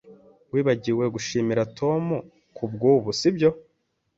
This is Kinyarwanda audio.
Wibagiwe gushimira Tom kubwubu, sibyo?